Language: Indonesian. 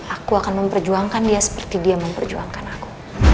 aku akan memperjuangkan dia seperti dia memperjuangkan aku